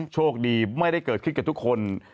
โชคดีไม่ได้เกิดขึ้นกับทุกคน